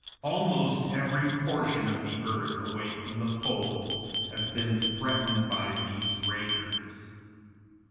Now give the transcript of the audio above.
Almost every portion of the world away from the poles has been threatened by these raiders.